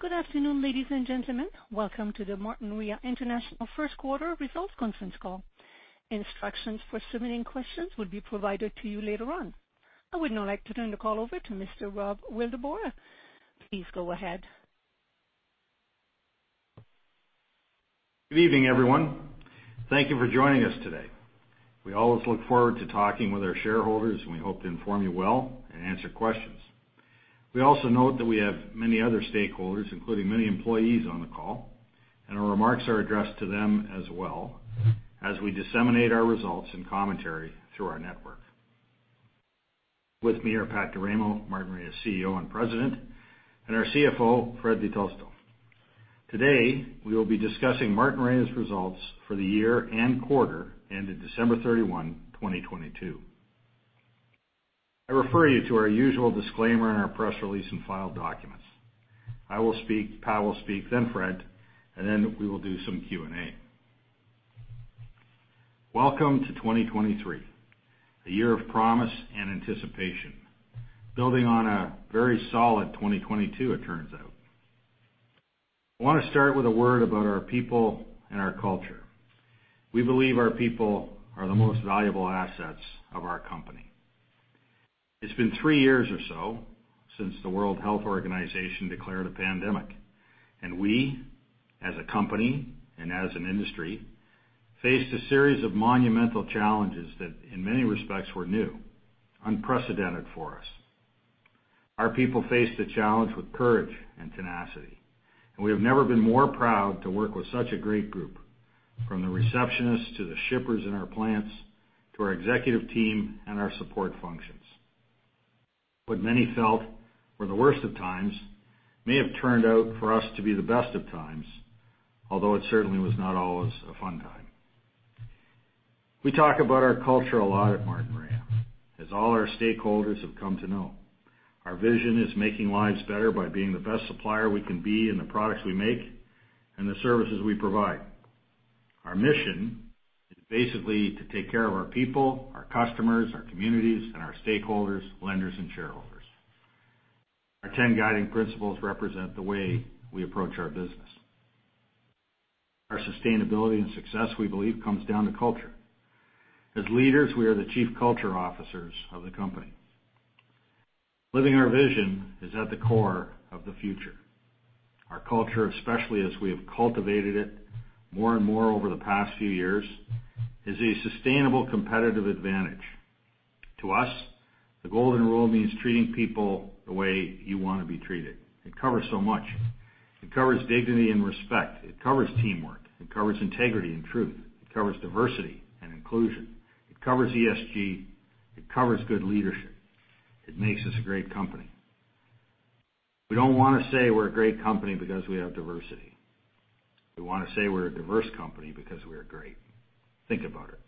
Good afternoon, ladies and gentlemen. Welcome to the Martinrea International First Quarter Results Conference Call. Instructions for submitting questions will be provided to you later on. I would now like to turn the call over to Mr. Rob Wildeboer. Please go ahead. Good evening, everyone. Thank you for joining us today. We always look forward to talking with our shareholders. We hope to inform you well and answer questions. We also note that we have many other stakeholders, including many employees on the call. Our remarks are addressed to them as well as we disseminate our results and commentary through our network. With me are Pat D'Eramo, Martinrea's CEO and President, and our CFO, Fred Di Tosto. Today, we will be discussing Martinrea's results for the year and quarter ended December 31, 2022. I refer you to our usual disclaimer in our press release and filed documents. I will speak, Pat will speak, then Fred. We will do some Q&A. Welcome to 2023, a year of promise and anticipation, building on a very solid 2022, it turns out. I wanna start with a word about our people and our culture. We believe our people are the most valuable assets of our company. It's been three years or so since the World Health Organization declared a pandemic, and we, as a company and as an industry, faced a series of monumental challenges that in many respects were new, unprecedented for us. Our people faced the challenge with courage and tenacity, and we have never been more proud to work with such a great group, from the receptionists to the shippers in our plants, to our executive team and our support functions. What many felt were the worst of times may have turned out for us to be the best of times, although it certainly was not always a fun time. We talk about our culture a lot at Martinrea, as all our stakeholders have come to know. Our vision is making lives better by being the best supplier we can be in the products we make and the services we provide. Our mission is basically to take care of our people, our customers, our communities, and our stakeholders, lenders, and shareholders. Our 10 guiding principles represent the way we approach our business. Our sustainability and success, we believe, comes down to culture. As leaders, we are the chief culture officers of the company. Living our vision is at the core of the future. Our culture, especially as we have cultivated it more and more over the past few years, is a sustainable competitive advantage. To us, the golden rule means treating people the way you wanna be treated. It covers so much. It covers dignity and respect. It covers teamwork. It covers integrity and truth. It covers diversity and inclusion. It covers ESG. It covers good leadership. It makes us a great company. We don't wanna say we're a great company because we have diversity. We wanna say we're a diverse company because we are great. Think about it.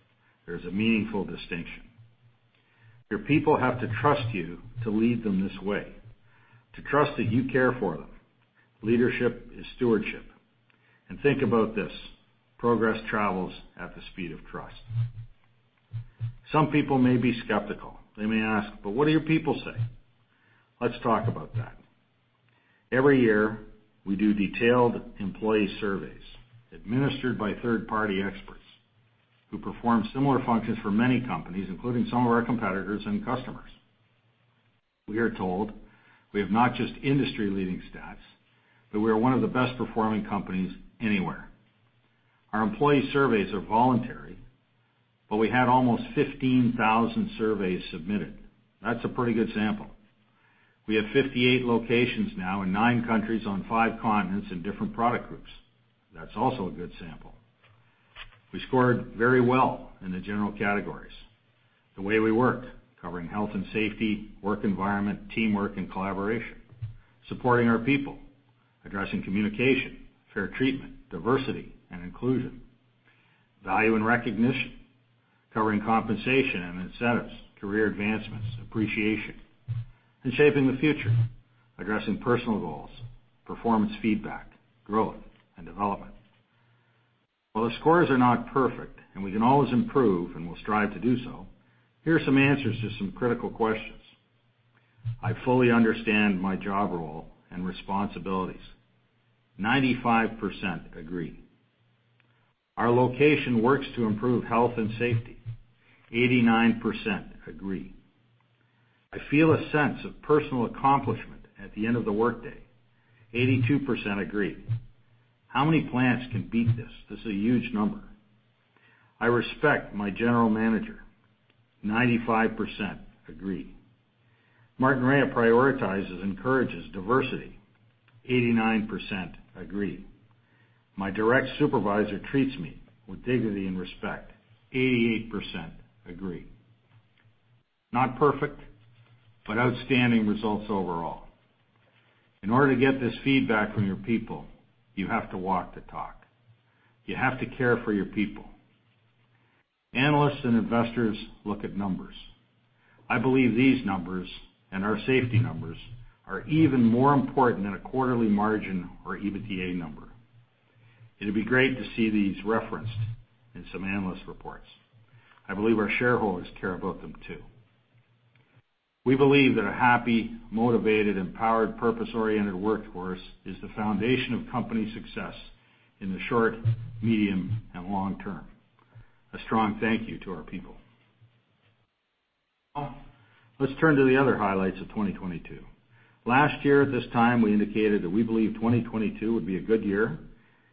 There's a meaningful distinction. Your people have to trust you to lead them this way, to trust that you care for them. Leadership is stewardship. Think about this, progress travels at the speed of trust. Some people may be skeptical. They may ask, "What do your people say?" Let's talk about that. Every year, we do detailed employee surveys administered by third-party experts who perform similar functions for many companies, including some of our competitors and customers. We are told we have not just industry-leading stats, but we are one of the best-performing companies anywhere. Our employee surveys are voluntary, but we had almost 15,000 surveys submitted. That's a pretty good sample. We have 58 locations now in 9 countries on five continents in different product groups. That's also a good sample. We scored very well in the general categories. The way we work, covering health and safety, work environment, teamwork, and collaboration. Supporting our people, addressing communication, fair treatment, diversity and inclusion. Value and recognition, covering compensation and incentives, career advancements, appreciation. Shaping the future, addressing personal goals, performance feedback, growth, and development. While the scores are not perfect, and we can always improve, and we'll strive to do so, here are some answers to some critical questions. I fully understand my job role and responsibilities. 95% agree. Our location works to improve health and safety. 89% agree. I feel a sense of personal accomplishment at the end of the workday. 82% agree. How many plants can beat this? This is a huge number. I respect my general manager. 95% agree. Martinrea prioritizes and encourages diversity. 89% agree. My direct supervisor treats me with dignity and respect. 88% agree. Not perfect, but outstanding results overall. In order to get this feedback from your people, you have to walk the talk. You have to care for your people. Analysts and investors look at numbers. I believe these numbers and our safety numbers are even more important than a quarterly margin or EBITDA number. It'd be great to see these referenced in some analyst reports. I believe our shareholders care about them too. We believe that a happy, motivated, empowered, purpose-oriented workforce is the foundation of company success in the short, medium, and long term. A strong thank you to our people. Let's turn to the other highlights of 2022. Last year at this time, we indicated that we believe 2022 would be a good year,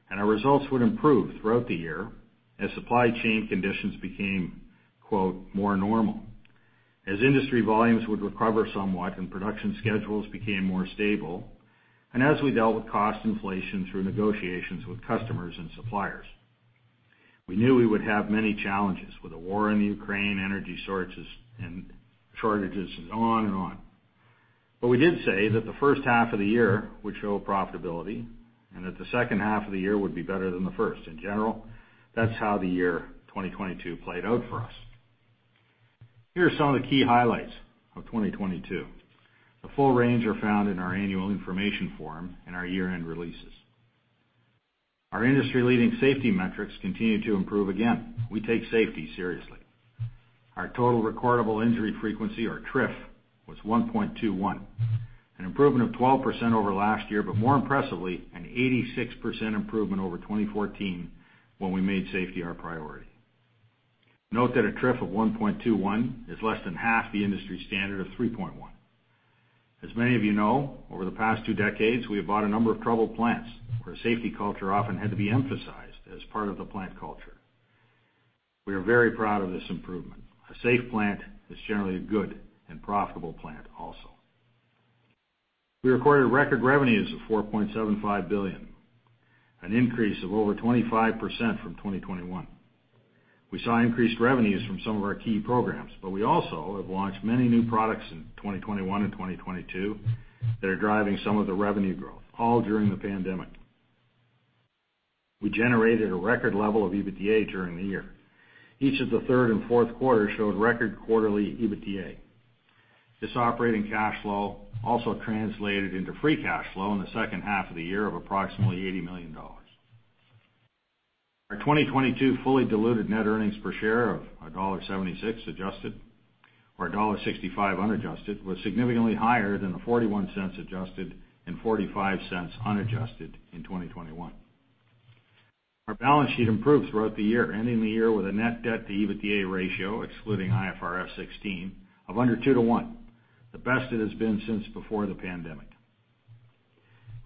and our results would improve throughout the year as supply chain conditions became, quote, "more normal" as industry volumes would recover somewhat and production schedules became more stable, and as we dealt with cost inflation through negotiations with customers and suppliers. We knew we would have many challenges with the war in the Ukraine, energy sources and shortages, and on and on. We did say that the first half of the year would show profitability and that the second half of the year would be better than the first. In general, that's how the year 2022 played out for us. Here are some of the key highlights of 2022. The full range are found in our annual information form and our year-end releases. Our industry-leading safety metrics continue to improve again. We take safety seriously. Our total recordable injury frequency, or TRIF, was 1.21, an improvement of 12% over last year, more impressively, an 86% improvement over 2014 when we made safety our priority. Note that a TRIF of 1.21 is less than half the industry standard of 3.1. As many of you know, over the past two decades, we have bought a number of troubled plants where safety culture often had to be emphasized as part of the plant culture. We are very proud of this improvement. A safe plant is generally a good and profitable plant also. We recorded record revenues of $4.75 billion, an increase of over 25% from 2021. We saw increased revenues from some of our key programs, but we also have launched many new products in 2021 and 2022 that are driving some of the revenue growth, all during the pandemic. We generated a record level of EBITDA during the year. Each of the 3rd and 4th quarter showed record quarterly EBITDA. This operating cash flow also translated into free cash flow in the second half of the year of approximately $80 million. Our 2022 fully diluted net earnings per share of $1.76 adjusted, or $1.65 unadjusted, was significantly higher than the $0.41 adjusted and $0.45 unadjusted in 2021. Our balance sheet improved throughout the year, ending the year with a net debt to EBITDA ratio, excluding IFRS 16, of under two-one, the best it has been since before the pandemic.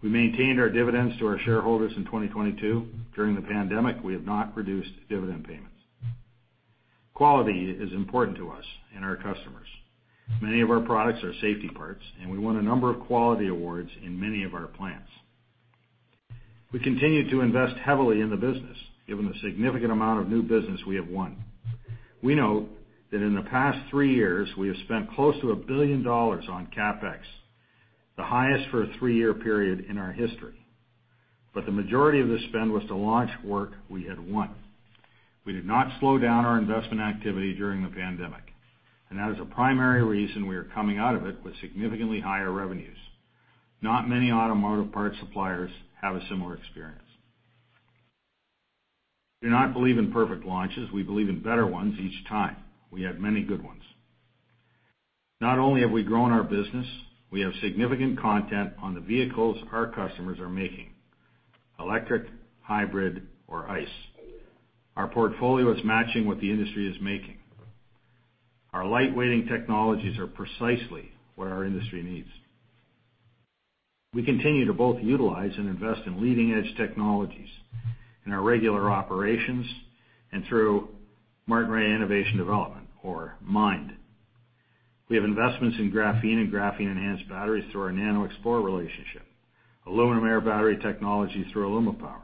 We maintained our dividends to our shareholders in 2022. During the pandemic, we have not reduced dividend payments. Quality is important to us and our customers. Many of our products are safety parts, and we won a number of quality awards in many of our plants. We continue to invest heavily in the business, given the significant amount of new business we have won. We know that in the past three years, we have spent close to $1 billion on CapEx, the highest for a three year period in our history. The majority of the spend was to launch work we had won. We did not slow down our investment activity during the pandemic, and that is a primary reason we are coming out of it with significantly higher revenues. Not many automotive parts suppliers have a similar experience. We do not believe in perfect launches. We believe in better ones each time. We have many good ones. Not only have we grown our business, we have significant content on the vehicles our customers are making, electric, hybrid, or ICE. Our portfolio is matching what the industry is making. Our lightweighting technologies are precisely what our industry needs. We continue to both utilize and invest in leading-edge technologies in our regular operations and through Martinrea Innovation and Development, or MIND. We have investments in graphene and graphene-enhanced batteries through our NanoXplore relationship, aluminum air battery technology through AlumaPower,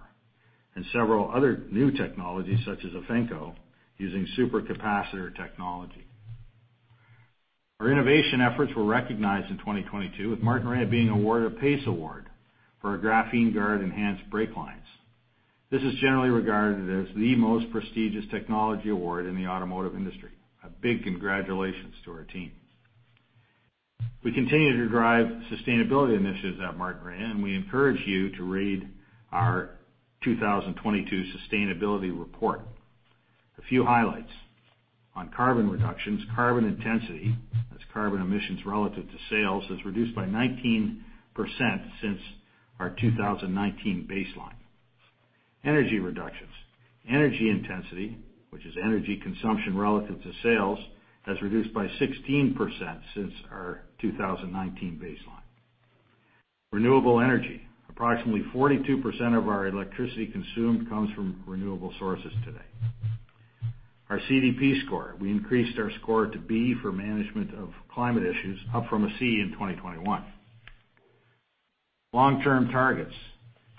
and several other new technologies such as Effenco using supercapacitor technology. Our innovation efforts were recognized in 2022 with Martinrea being awarded a PACE Award for our Graphene Guard enhanced brake lines. This is generally regarded as the most prestigious technology award in the automotive industry. A big congratulations to our team. We continue to drive sustainability initiatives at Martinrea, and we encourage you to read our 2022 sustainability report. A few highlights. On carbon reductions, carbon intensity as carbon emissions relative to sales is reduced by 19% since our 2019 baseline. Energy reductions. Energy intensity, which is energy consumption relative to sales, has reduced by 16% since our 2019 baseline. Renewable energy. Approximately 42% of our electricity consumed comes from renewable sources today. Our CDP score. We increased our score to B for management of climate issues, up from a C in 2021. Long-term targets.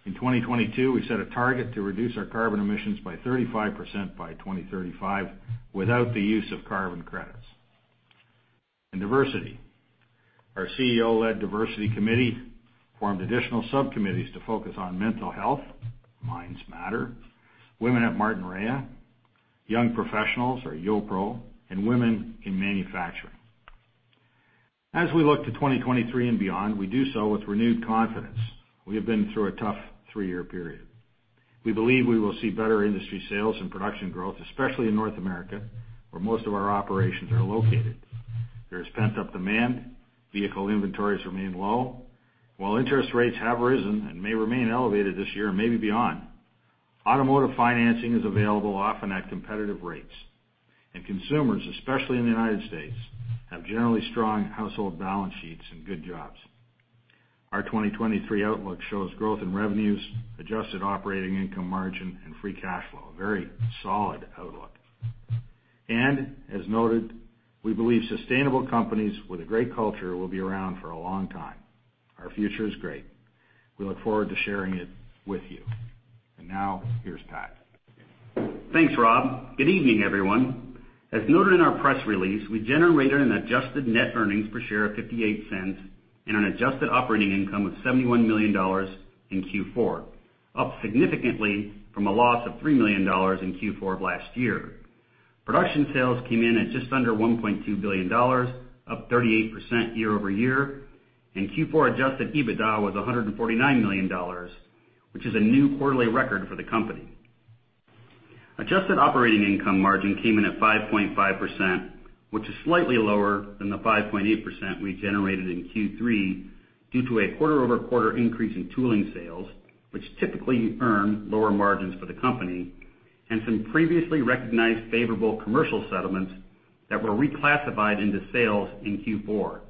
In 2022, we set a target to reduce our carbon emissions by 35% by 2035 without the use of carbon credits. Diversity. Our CEO-led diversity committee formed additional subcommittees to focus on mental health, Minds Matter, Women at Martinrea, Young Professionals or YoPro, and Women in Manufacturing. As we look to 2023 and beyond, we do so with renewed confidence. We have been through a tough three year period. We believe we will see better industry sales and production growth, especially in North America, where most of our operations are located. There is pent-up demand, vehicle inventories remain low. While interest rates have risen and may remain elevated this year and maybe beyond, automotive financing is available often at competitive rates, and consumers, especially in the United States, have generally strong household balance sheets and good jobs. Our 2023 outlook shows growth in revenues, adjusted operating income margin and free cash flow. Very solid outlook. As noted, we believe sustainable companies with a great culture will be around for a long time. Our future is great. We look forward to sharing it with you. Now here's Pat. Thanks, Rob. Good evening, everyone. As noted in our press release, we generated an adjusted net earnings per share of $0.58 and an adjusted operating income of $71 million in Q4, up significantly from a loss of $3 million in Q4 of last year. Production sales came in at just under $1.2 billion, up 38% year-over-year. Q4 adjusted EBITDA was $149 million, which is a new quarterly record for the company. Adjusted operating income margin came in at 5.5%, which is slightly lower than the 5.8% we generated in Q3 due to a quarter-over-quarter increase in tooling sales, which typically earn lower margins for the company, and some previously recognized favorable commercial settlements that were reclassified into sales in Q4.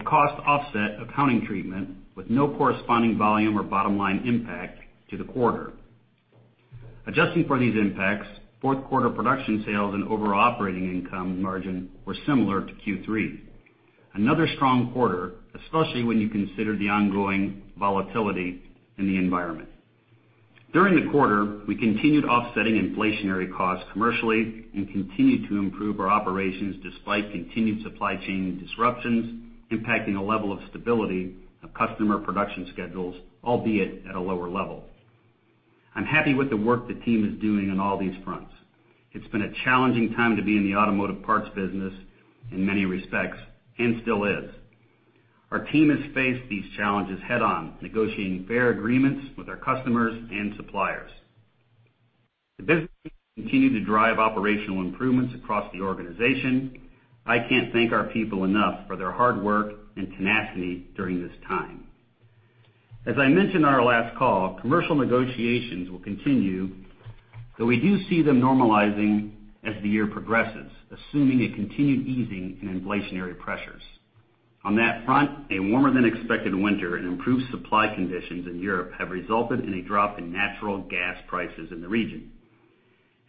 A cost offset accounting treatment with no corresponding volume or bottom-line impact to the quarter. Adjusting for these impacts, fourth quarter production sales and overall operating income margin were similar to Q3. Another strong quarter, especially when you consider the ongoing volatility in the environment. During the quarter, we continued offsetting inflationary costs commercially and continued to improve our operations despite continued supply chain disruptions impacting a level of stability of customer production schedules, albeit at a lower level. I'm happy with the work the team is doing on all these fronts. It's been a challenging time to be in the automotive parts business in many respects, and still is. Our team has faced these challenges head on, negotiating fair agreements with our customers and suppliers. The business continued to drive operational improvements across the organization. I can't thank our people enough for their hard work and tenacity during this time. As I mentioned in our last call, commercial negotiations will continue, though we do see them normalizing as the year progresses, assuming a continued easing in inflationary pressures. On that front, a warmer than expected winter and improved supply conditions in Europe have resulted in a drop in natural gas prices in the region.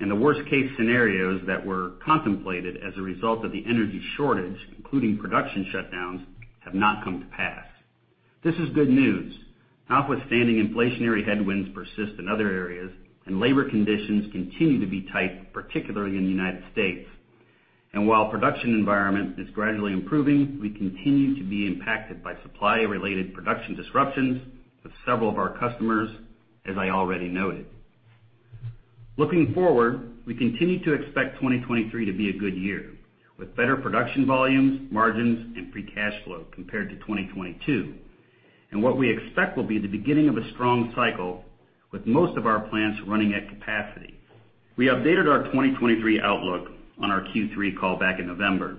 The worst-case scenarios that were contemplated as a result of the energy shortage, including production shutdowns, have not come to pass. This is good news, notwithstanding inflationary headwinds persist in other areas and labor conditions continue to be tight, particularly in the U.S. While production environment is gradually improving, we continue to be impacted by supply-related production disruptions with several of our customers, as I already noted. Looking forward, we continue to expect 2023 to be a good year, with better production volumes, margins and free cash flow compared to 2022, and what we expect will be the beginning of a strong cycle with most of our plants running at capacity. We updated our 2023 outlook on our Q3 call back in November.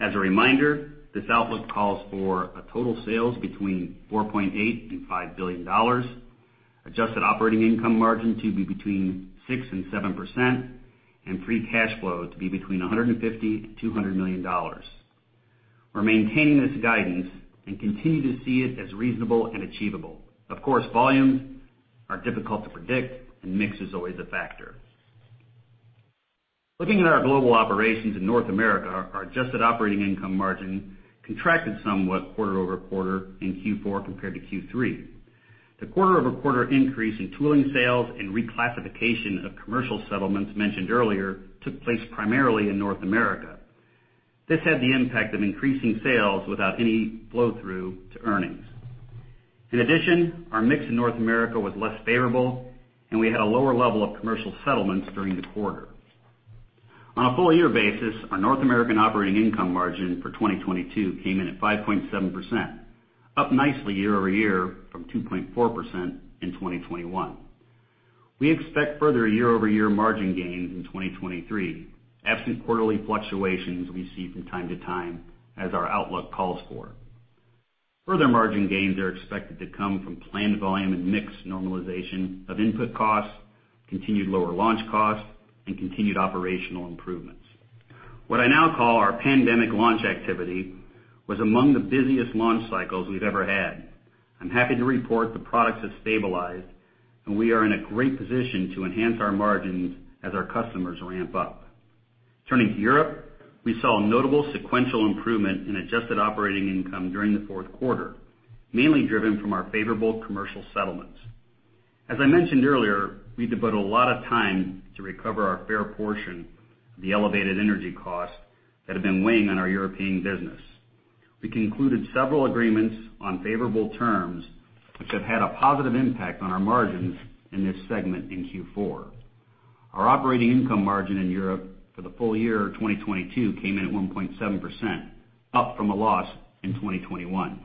As a reminder, this outlook calls for a total sales between $4.8 billion and $5 billion, adjusted operating income margin to be between 6% and 7%, and free cash flow to be between $150 million-$200 million. We're maintaining this guidance and continue to see it as reasonable and achievable. Of course, volumes are difficult to predict, and mix is always a factor. Looking at our global operations in North America, our adjusted operating income margin contracted somewhat quarter-over-quarter in Q4 compared to Q3. The quarter-over-quarter increase in tooling sales and reclassification of commercial settlements mentioned earlier took place primarily in North America. This had the impact of increasing sales without any flow-through to earnings. In addition, our mix in North America was less favorable, and we had a lower level of commercial settlements during the quarter. On a full year basis, our North American operating income margin for 2022 came in at 5.7%, up nicely year-over-year from 2.4% in 2021. We expect further year-over-year margin gains in 2023, absent quarterly fluctuations we see from time to time as our outlook calls for. Further margin gains are expected to come from planned volume and mix normalization of input costs, continued lower launch costs, and continued operational improvements. What I now call our pandemic launch activity was among the busiest launch cycles we've ever had. I'm happy to report the products have stabilized, and we are in a great position to enhance our margins as our customers ramp up. Turning to Europe, we saw a notable sequential improvement in adjusted operating income during the fourth quarter, mainly driven from our favorable commercial settlements. As I mentioned earlier, we devoted a lot of time to recover our fair portion of the elevated energy costs that have been weighing on our European business. We concluded several agreements on favorable terms, which have had a positive impact on our margins in this segment in Q4. Our operating income margin in Europe for the full year of 2022 came in at 1.7%, up from a loss in 2021.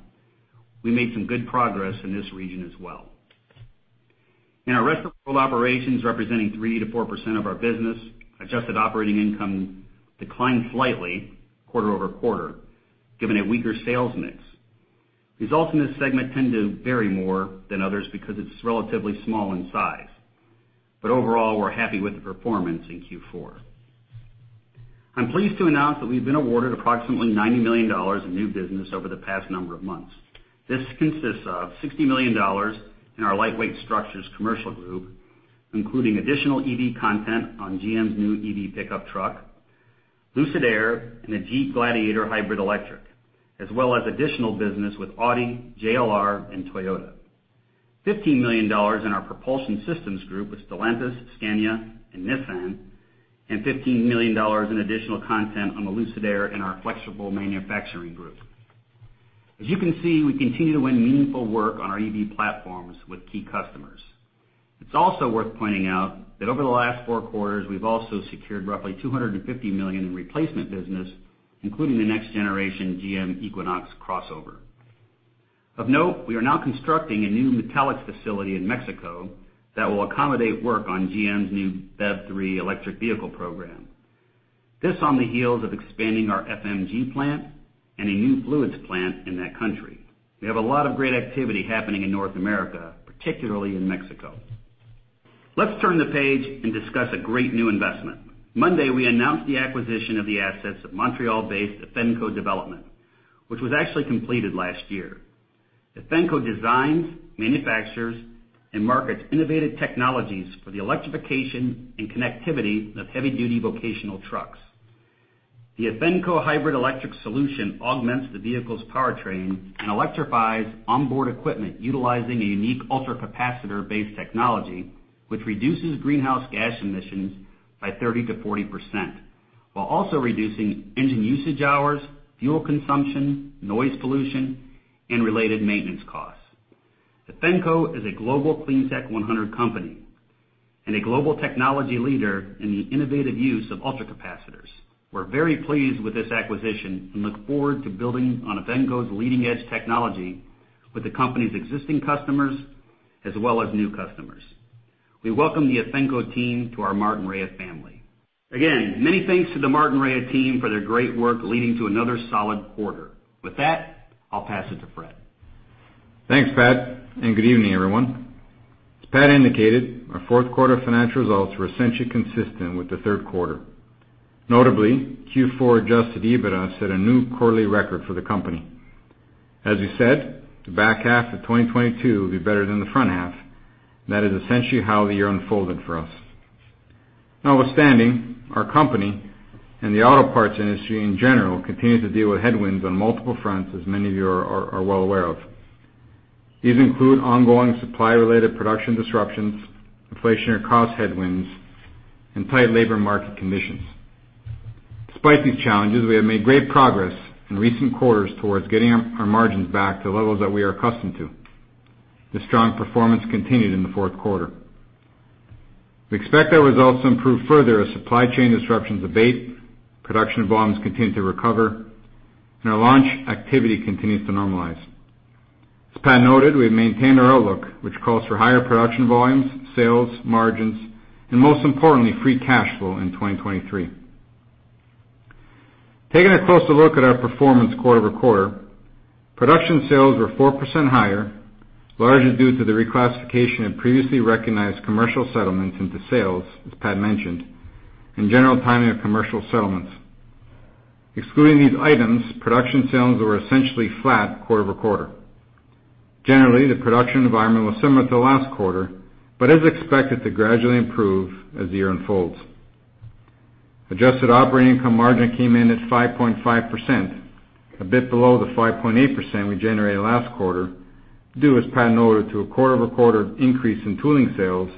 We made some good progress in this region as well. In our rest of world operations, representing 3%-4% of our business, adjusted operating income declined slightly quarter-over-quarter, given a weaker sales mix. Results in this segment tend to vary more than others because it's relatively small in size. Overall, we're happy with the performance in Q4. I'm pleased to announce that we've been awarded approximately $90 million in new business over the past number of months. This consists of $60 million in our lightweight structures commercial group, including additional EV content on GM's new EV pickup truck, Lucid Air, and the Jeep Gladiator hybrid electric, as well as additional business with Audi, JLR, and Toyota. $15 million in our propulsion systems group with Stellantis, Scania, and Nissan, and $15 million in additional content on the Lucid Air in our flexible manufacturing group. As you can see, we continue to win meaningful work on our EV platforms with key customers. It's also worth pointing out that over the last four quarters, we've also secured roughly $250 million in replacement business, including the next-generation GM Equinox crossover. Of note, we are now constructing a new metallics facility in Mexico that will accommodate work on GM's new BEV3 electric vehicle program. This on the heels of expanding our FMG plant and a new fluids plant in that country. We have a lot of great activity happening in North America, particularly in Mexico. Let's turn the page and discuss a great new investment. Monday, we announced the acquisition of the assets of Montreal-based Effenco Development Inc., which was actually completed last year. Effenco designs, manufactures, and markets innovative technologies for the electrification and connectivity of heavy-duty vocational trucks. The Effenco hybrid electric solution augments the vehicle's powertrain and electrifies onboard equipment utilizing a unique ultracapacitor-based technology, which reduces greenhouse gas emissions by 30%-40%, while also reducing engine usage hours, fuel consumption, noise pollution, and related maintenance costs. Effenco is a Global Cleantech 100 company and a global technology leader in the innovative use of ultracapacitors. We're very pleased with this acquisition and look forward to building on Effenco's leading-edge technology with the company's existing customers as well as new customers. We welcome the Effenco team to our Martinrea family. Again, many thanks to the Martinrea team for their great work leading to another solid quarter. With that, I'll pass it to Fred. Thanks, Pat, good evening, everyone. As Pat indicated, our fourth quarter financial results were essentially consistent with the third quarter. Notably, Q4 adjusted EBITDA set a new quarterly record for the company. As we said the back half of 2022 will be better than the front half. That is essentially how the year unfolded for us. Notwithstanding, our company and the auto parts industry in general continues to deal with headwinds on multiple fronts as many of you are well aware of. These include ongoing supply-related production disruptions, inflationary cost headwinds, and tight labor market conditions. Despite these challenges, we have made great progress in recent quarters towards getting our margins back to levels that we are accustomed to. The strong performance continued in the fourth quarter. We expect our results to improve further as supply chain disruptions abate, production volumes continue to recover, and our launch activity continues to normalize. As Pat noted, we've maintained our outlook, which calls for higher production volumes, sales, margins, and most importantly, free cash flow in 2023. Taking a closer look at our performance quarter-over-quarter, production sales were 4% higher, largely due to the reclassification of previously recognized commercial settlements into sales, as Pat mentioned, and general timing of commercial settlements. Excluding these items, production sales were essentially flat quarter-over-quarter. Generally, the production environment was similar to last quarter, but is expected to gradually improve as the year unfolds. Adjusted operating income margin came in at 5.5%, a bit below the 5.8% we generated last quarter, due, as Pat noted, to a quarter-over-quarter increase in tooling sales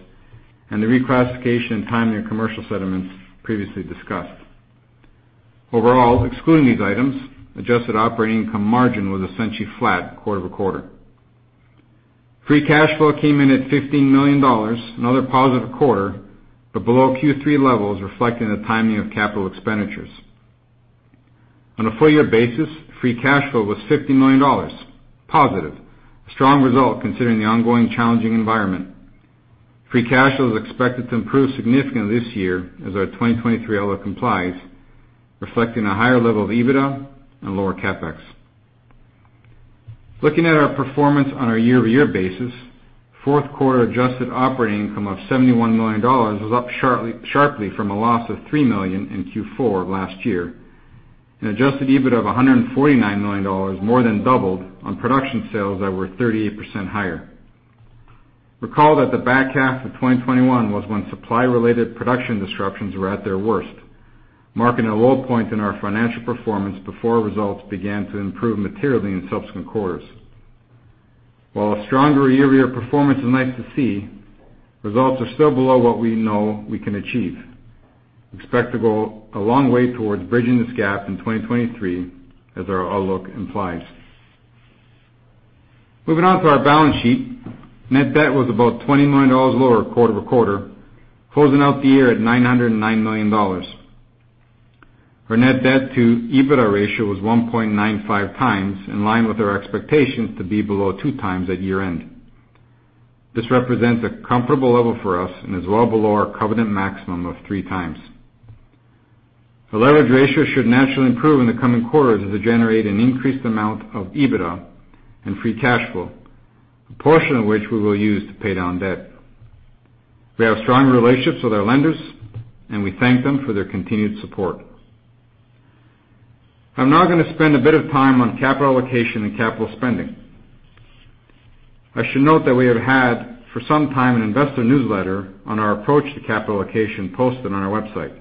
and the reclassification and timing of commercial settlements previously discussed. Overall, excluding these items, adjusted operating income margin was essentially flat quarter-over-quarter. Free cash flow came in at $15 million, another positive quarter, but below Q3 levels, reflecting the timing of capital expenditures. On a full-year basis, free cash flow was $50 million positive, a strong result considering the ongoing challenging environment. Free cash flow is expected to improve significantly this year as our 2023 outlook complies, reflecting a higher level of EBITDA and lower CapEx. Looking at our performance on a year-over-year basis, fourth quarter adjusted operating income of $71 million was up sharply from a loss of $3 million in Q4 last year. An adjusted EBIT of $149 million more than doubled on production sales that were 38% higher. Recall that the back half of 2021 was when supply-related production disruptions were at their worst, marking a low point in our financial performance before results began to improve materially in subsequent quarters. While a stronger year-over-year performance is nice to see, results are still below what we know we can achieve. Expect to go a long way towards bridging this gap in 2023, as our outlook implies. Moving on to our balance sheet, net debt was about $20 million lower quarter-over-quarter, closing out the year at $909 million. Our net debt to EBITDA ratio is 1.95 times, in line with our expectations to be below two times at year-end. This represents a comfortable level for us and is well below our covenant maximum of three times. The leverage ratio should naturally improve in the coming quarters as we generate an increased amount of EBITDA and free cash flow, a portion of which we will use to pay down debt. We have strong relationships with our lenders, and we thank them for their continued support. I'm now gonna spend a bit of time on capital allocation and capital spending. I should note that we have had, for some time, an investor newsletter on our approach to capital allocation posted on our website.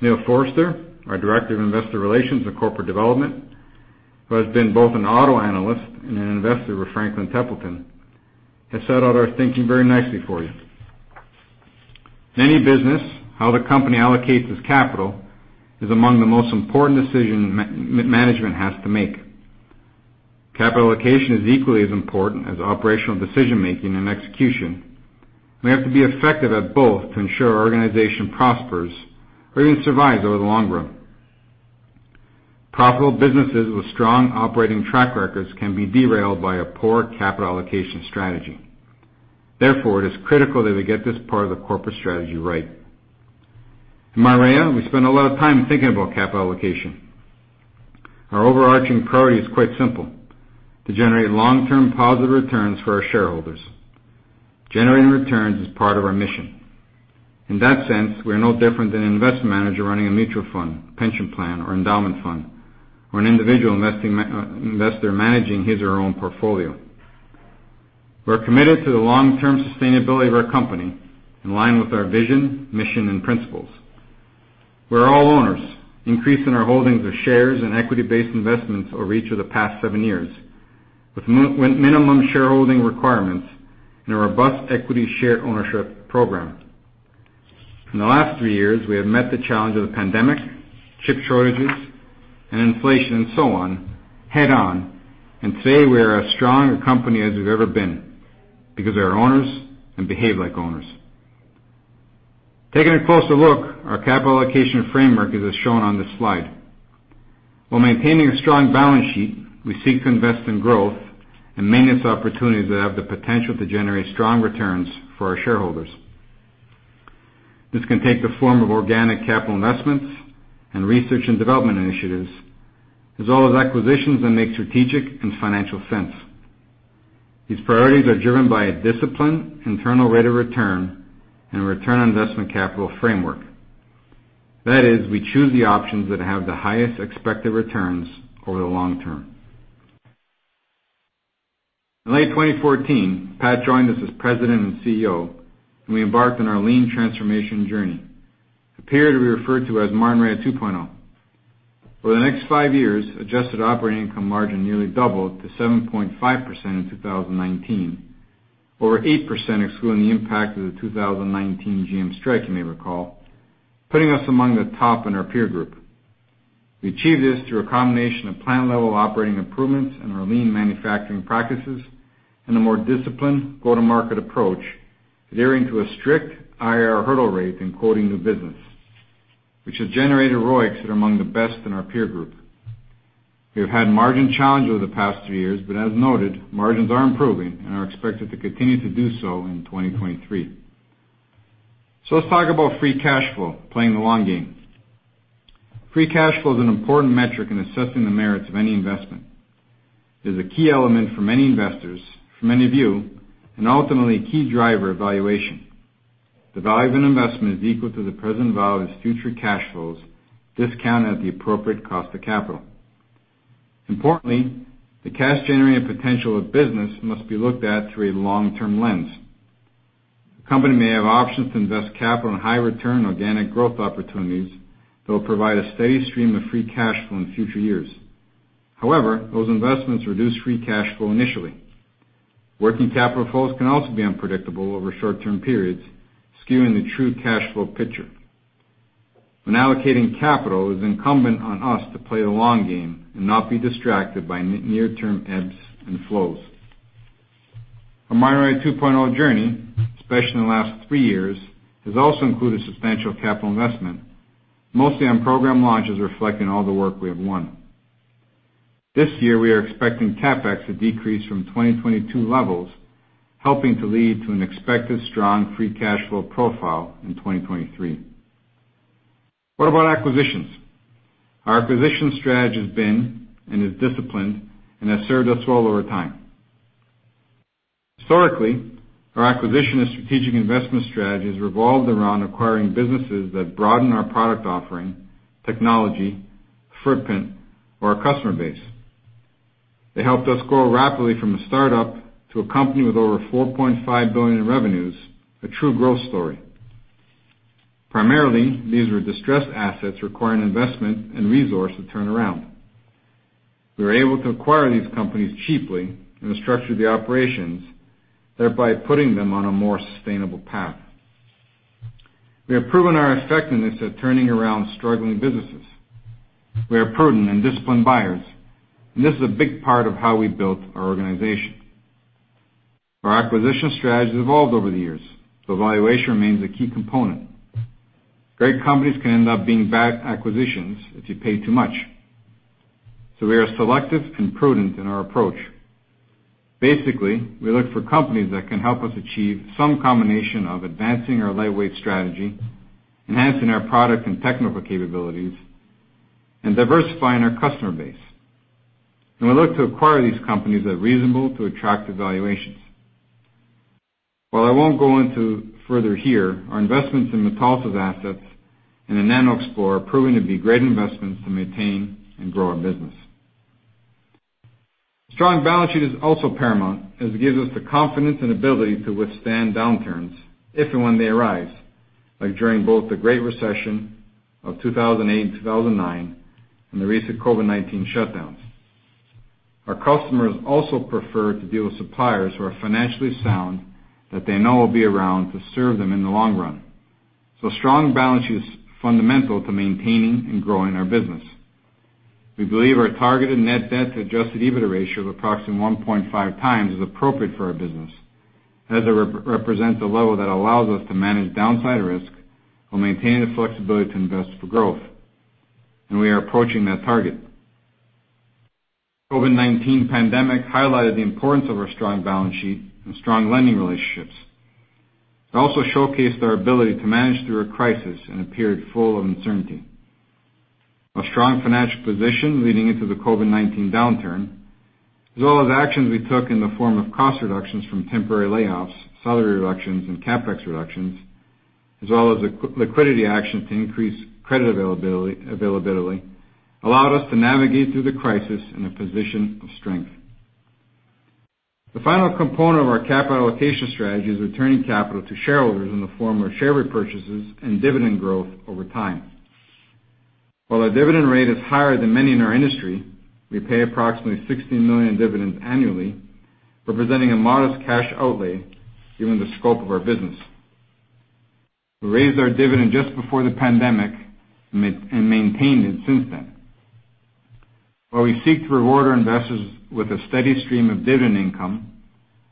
Neil Forster, our Director, Investor Relations and Corporate Development, who has been both an auto analyst and an investor with Franklin Templeton, has set out our thinking very nicely for you. In any business, how the company allocates its capital is among the most important decision management has to make. Capital allocation is equally as important as operational decision-making and execution. We have to be effective at both to ensure our organization prospers or even survives over the long run. Profitable businesses with strong operating track records can be derailed by a poor capital allocation strategy. Therefore, it is critical that we get this part of the corporate strategy right. In Martinrea, we spend a lot of time thinking about capital allocation. Our overarching priority is quite simple. To generate long-term positive returns for our shareholders. Generating returns is part of our mission. In that sense, we are no different than an investment manager running a mutual fund, pension plan, or endowment fund, or an individual investor managing his or her own portfolio. We're committed to the long-term sustainability of our company in line with our vision, mission, and principles. We're all owners, increasing our holdings of shares and equity-based investments over each of the past seven years, with minimum shareholding requirements and a robust equity share ownership program. In the last three years, we have met the challenge of the pandemic, chip shortages, and inflation, and so on, head-on, and today we are as strong a company as we've ever been because we are owners and behave like owners. Taking a closer look, our capital allocation framework is as shown on this slide. While maintaining a strong balance sheet, we seek to invest in growth and maintenance opportunities that have the potential to generate strong returns for our shareholders. This can take the form of organic capital investments and research and development initiatives, as well as acquisitions that make strategic and financial sense. These priorities are driven by a disciplined internal rate of return and return on investment capital framework. That is, we choose the options that have the highest expected returns over the long term. In late 2014, Pat joined us as president and CEO, and we embarked on our lean transformation journey, a period we refer to as Martinrea 2.0. Over the next five years, adjusted operating income margin nearly doubled to 7.5% in 2019, over 8% excluding the impact of the 2019 GM strike, you may recall, putting us among the top in our peer group. We achieved this through a combination of plant-level operating improvements in our lean manufacturing practices and a more disciplined go-to-market approach, adhering to a strict IRR hurdle rate in quoting new business, which has generated ROIs that are among the best in our peer group. As noted, margins are improving and are expected to continue to do so in 2023. Let's talk about free cash flow, playing the long game. Free cash flow is an important metric in assessing the merits of any investment. It is a key element for many investors, for many of you, and ultimately, a key driver of valuation. The value of an investment is equal to the present value of its future cash flows, discounted at the appropriate cost of capital. Importantly, the cash-generating potential of business must be looked at through a long-term lens. The company may have options to invest capital in high-return organic growth opportunities that will provide a steady stream of free cash flow in future years. However, those investments reduce free cash flow initially. Working capital flows can also be unpredictable over short-term periods, skewing the true cash flow picture. When allocating capital, it is incumbent on us to play the long game and not be distracted by near-term ebbs and flows. Our Martinrea 2.0 journey, especially in the last three years, has also included substantial capital investment, mostly on program launches reflecting all the work we have won. This year, we are expecting CapEx to decrease from 2022 levels, helping to lead to an expected strong free cash flow profile in 2023. What about acquisitions? Our acquisition strategy has been and is disciplined and has served us well over time. Historically, our acquisition and strategic investment strategies revolved around acquiring businesses that broaden our product offering, technology, footprint, or our customer base. They helped us grow rapidly from a start-up to a company with over $4.5 billion in revenues, a true growth story. Primarily, these were distressed assets requiring investment and resource to turn around. We were able to acquire these companies cheaply and structure the operations, thereby putting them on a more sustainable path. We have proven our effectiveness at turning around struggling businesses. We are prudent and disciplined buyers, and this is a big part of how we built our organization. Our acquisition strategy has evolved over the years, but valuation remains a key component. Great companies can end up being bad acquisitions if you pay too much, so we are selective and prudent in our approach. Basically, we look for companies that can help us achieve some combination of advancing our lightweight strategy, enhancing our product and technical capabilities, and diversifying our customer base. We look to acquire these companies at reasonable to attractive valuations. While I won't go into further here, our investments in Metalsa's assets and in NanoXplore are proving to be great investments to maintain and grow our business. A strong balance sheet is also paramount as it gives us the confidence and ability to withstand downturns if and when they arise, like during both the Great Recession of 2008 and 2009, and the recent COVID-19 shutdowns. Our customers also prefer to deal with suppliers who are financially sound that they know will be around to serve them in the long run. A strong balance sheet is fundamental to maintaining and growing our business. We believe our targeted net debt to adjusted EBITDA ratio of approximately 1.5x is appropriate for our business, as it represents a level that allows us to manage downside risk while maintaining the flexibility to invest for growth. We are approaching that target. COVID-19 pandemic highlighted the importance of our strong balance sheet and strong lending relationships. It also showcased our ability to manage through a crisis in a period full of uncertainty. Our strong financial position leading into the COVID-19 downturn, as well as actions we took in the form of cost reductions from temporary layoffs, salary reductions, and CapEx reductions, as well as liquidity actions to increase credit availability, allowed us to navigate through the crisis in a position of strength. The final component of our capital allocation strategy is returning capital to shareholders in the form of share repurchases and dividend growth over time. While our dividend rate is higher than many in our industry, we pay approximately 16 million in dividends annually, representing a modest cash outlay given the scope of our business. We raised our dividend just before the pandemic and maintained it since then. While we seek to reward our investors with a steady stream of dividend income,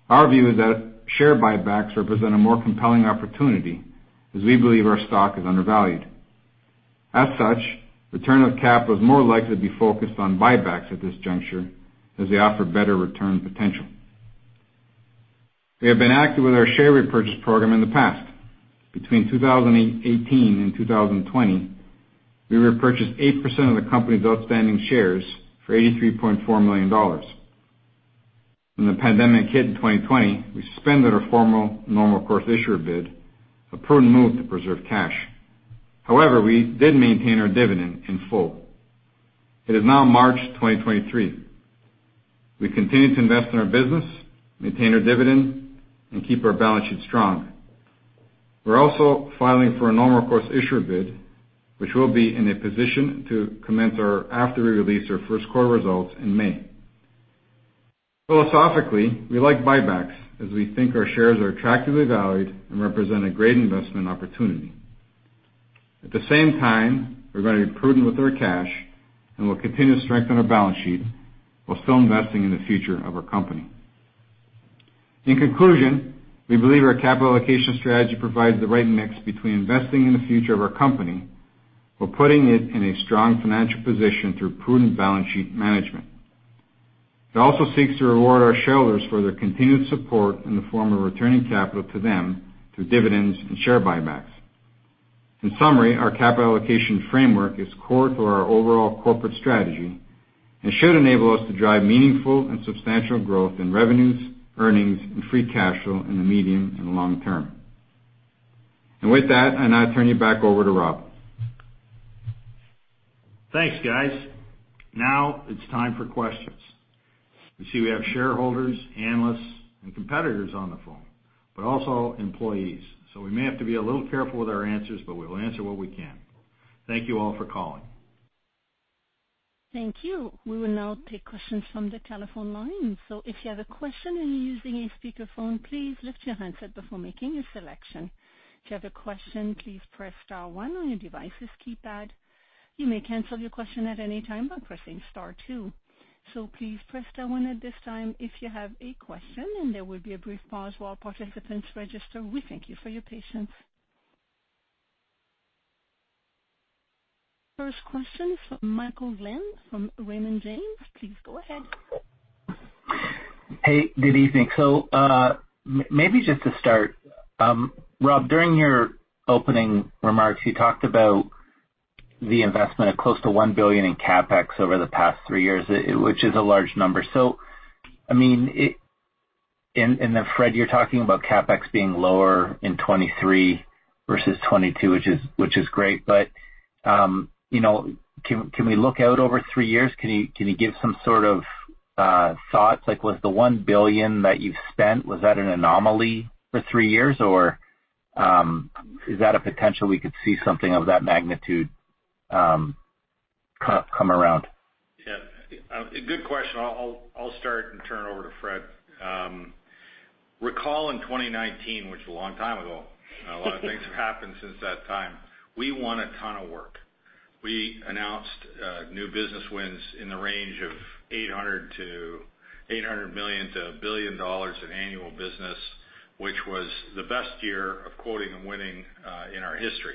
our view is that share buybacks represent a more compelling opportunity as we believe our stock is undervalued. As such, return of cap is more likely to be focused on buybacks at this juncture as they offer better return potential. We have been active with our share repurchase program in the past. Between 2018 and 2020, we repurchased 8% of the company's outstanding shares for $83.4 million. When the pandemic hit in 2020, we suspended our formal normal course issuer bid, a prudent move to preserve cash. We did maintain our dividend in full. It is now March 2023. We continue to invest in our business, maintain our dividend, and keep our balance sheet strong. We're also filing for a normal course issuer bid, which we'll be in a position to commence after we release our first quarter results in May. Philosophically, we like buybacks as we think our shares are attractively valued and represent a great investment opportunity. At the same time, we're going to be prudent with our cash, and we'll continue to strengthen our balance sheet while still investing in the future of our company. In conclusion, we believe our capital allocation strategy provides the right mix between investing in the future of our company while putting it in a strong financial position through prudent balance sheet management. It also seeks to reward our shareholders for their continued support in the form of returning capital to them through dividends and share buybacks. In summary, our capital allocation framework is core to our overall corporate strategy and should enable us to drive meaningful and substantial growth in revenues, earnings, and free cash flow in the medium and long term. With that, I now turn you back over to Rob. Thanks, guys. Now it's time for questions. You see we have shareholders, analysts, and competitors on the phone, but also employees. We may have to be a little careful with our answers, but we will answer what we can. Thank you all for calling. Thank you. We will now take questions from the telephone line. If you have a question and you're using a speakerphone, please lift your handset before making your selection. If you have a question, please press star one on your device's keypad. You may cancel your question at any time by pressing star two. Please press star one at this time if you have a question, and there will be a brief pause while participants register. We thank you for your patience. First question is from Michael Glen from Raymond James. Please go ahead. Hey, good evening. Maybe just to start, Rob, during your opening remarks, you talked about the investment of close to $1 billion in CapEx over the past three years, which is a large number. I mean it. Then Fred, you're talking about CapEx being lower in 2023 versus 2022, which is great. You know, can we look out over three years? Can you give some sort of thoughts? Like, was the $1 billion that you've spent, was that an anomaly for three years? Or, is that a potential we could see something of that magnitude come around? Yeah. A good question. I'll start and turn it over to Fred. Recall in 2019, which is a long time ago, a lot of things have happened since that time, we won a ton of work. We announced new business wins in the range of $800 million to $1 billion in annual business, which was the best year of quoting and winning in our history.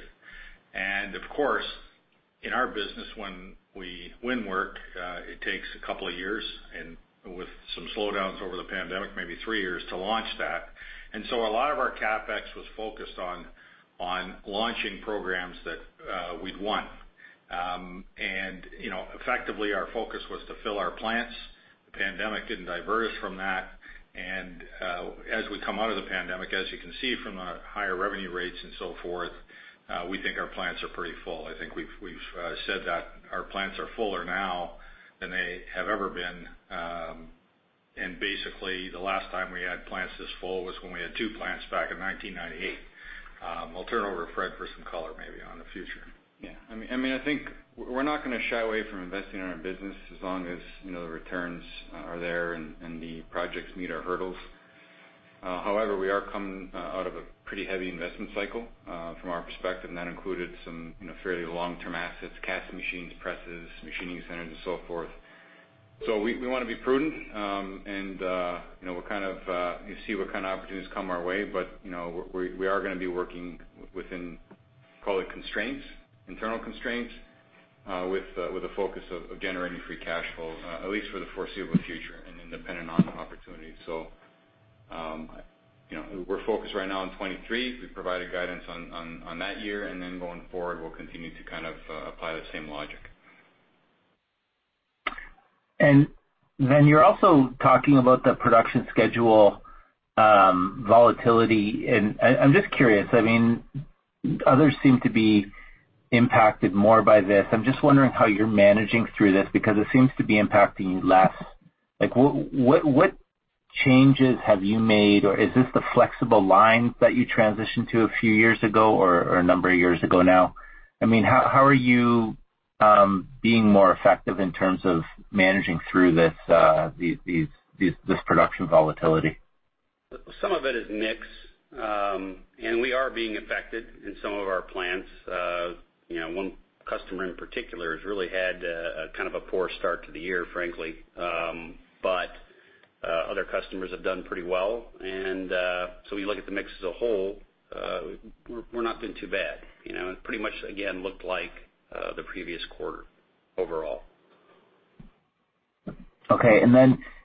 In our business, when we win work, it takes a couple of years, and with some slowdowns over the pandemic, maybe three years to launch that. A lot of our CapEx was focused on launching programs that we'd won. Our focus was to fill our plants. The pandemic didn't divert us from that. As we come out of the pandemic, as you can see from the higher revenue rates and so forth, we think our plants are pretty full. I think we've said that our plants are fuller now than they have ever been. Basically, the last time we had plants this full was when we had two plants back in 1998. I'll turn it over to Fred for some color maybe on the future. I mean, I think we're not gonna shy away from investing in our business as long as, you know, the returns are there and the projects meet our hurdles. However, we are coming out of a pretty heavy investment cycle from our perspective, and that included some, you know, fairly long-term assets, cast machines, presses, machining centers and so forth. We wanna be prudent, and, you know, we're kind of, you see what kind of opportunities come our way, but, you know, we are gonna be working within, call it constraints, internal constraints, with a focus of generating free cash flow at least for the foreseeable future and then dependent on opportunities. You know, we're focused right now on 23. We've provided guidance on that year, and then going forward, we'll continue to kind of apply the same logic. You're also talking about the production schedule, volatility, and I'm just curious. I mean, others seem to be impacted more by this. I'm just wondering how you're managing through this because it seems to be impacting you less. Like, what changes have you made, or is this the flexible line that you transitioned to a few years ago or a number of years ago now? I mean, how are you being more effective in terms of managing through this production volatility? Some of it is mix, and we are being affected in some of our plants. You know, one customer in particular has really had a kind of a poor start to the year, frankly. Other customers have done pretty well. We look at the mix as a whole, we're not doing too bad. You know it pretty much again looked like, the previous quarter overall. Okay.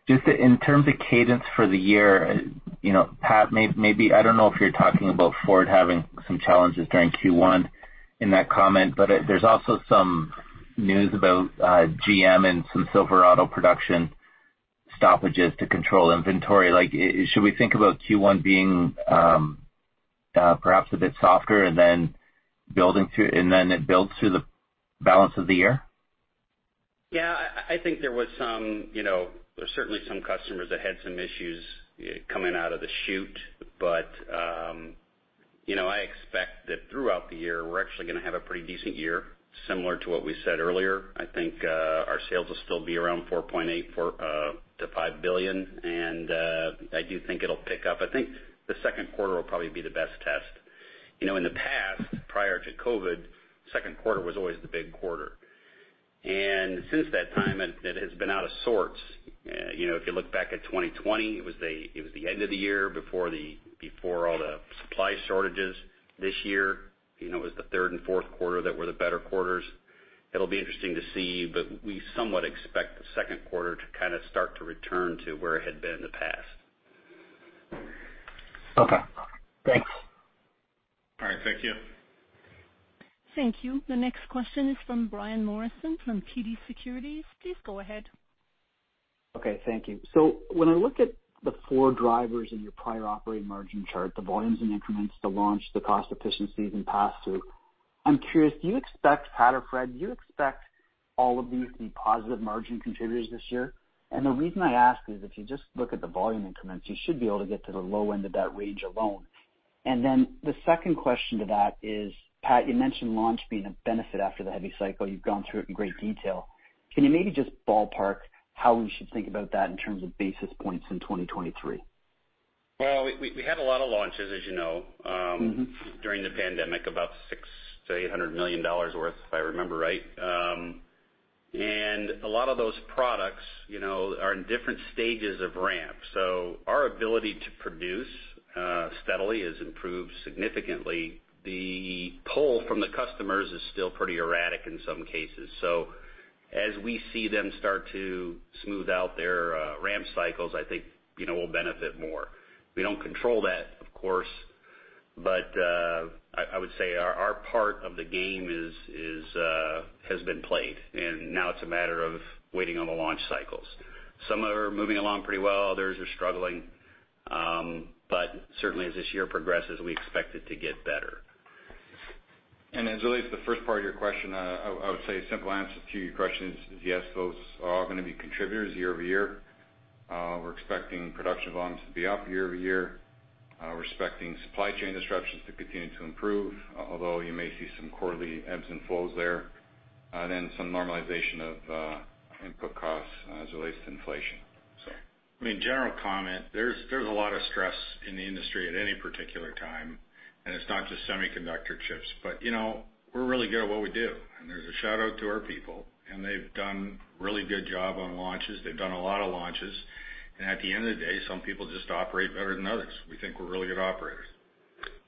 Just in terms of cadence for the year, you know, Pat, maybe, I don't know if you're talking about Ford having some challenges during Q1 in that comment, but, there's also some news about GM and some Silverado production stoppages to control inventory. Like, should we think about Q1 being perhaps a bit softer and then building through, and then it builds through the balance of the year? Yeah. I think there was some, you know, there's certainly some customers that had some issues coming out of the chute. You know, I expect that throughout the year, we're actually gonna have a pretty decent year, similar to what we said earlier. I think our sales will still be around $4.8 billion to $5 billion, and I do think it'll pick up. I think the second quarter will probably be the best test. You know, in the past, prior to COVID, second quarter was always the big quarter. Since that time, it has been out of sorts. You know, if you look back at 2020, it was the end of the year before all the supply shortages. This year, you know, it was the third and fourth quarter that were the better quarters. It'll be interesting to see, but we somewhat expect the second quarter to kind of start to return to where it had been in the past. Okay. Thanks. All right. Thank you. Thank you. The next question is from Brian Morrison from TD Securities. Please go ahead. When I look at the four drivers in your prior operating margin chart, the volumes and increments, the launch, the cost efficiencies and pass-through, I'm curious, do you expect, Pat or Fred, do you expect all of these to be positive margin contributors this year? The reason I ask is if you just look at the volume increments, you should be able to get to the low end of that range alone. The second question to that is, Pat, you mentioned launch being a benefit after the heavy cycle. You've gone through it in great detail. Can you maybe just ballpark how we should think about that in terms of basis points in 2023? Well, we had a lot of launches, as you know. During the pandemic, about $600 million-$800 million worth, if I remember right. A lot of those products, you know, are in different stages of ramp. Our ability to produce steadily has improved significantly. The pull from the customers is still pretty erratic in some cases. As we see them start to smooth out their ramp cycles, I think, you know, we'll benefit more. We don't control that, of course, but I would say our part of the game is has been played, and now it's a matter of waiting on the launch cycles. Some are moving along pretty well, others are struggling. Certainly as this year progresses, we expect it to get better. As it relates to the first part of your question, I would say a simple answer to your question is yes, those are all gonna be contributors year-over-year. We're expecting production volumes to be up year-over-year. We're expecting supply chain disruptions to continue to improve, although you may see some quarterly ebbs and flows there, then some normalization of input costs as it relates to inflation. I mean, general comment, there's a lot of stress in the industry at any particular time, and it's not just semiconductor chips. You know, we're really good at what we do, and there's a shout-out to our people. They've done really good job on launches. They've done a lot of launches. At the end of the day, some people just operate better than others. We think we're really good operators.